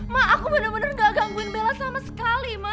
ma aku bener bener nggak gangguin bella sama sekali ma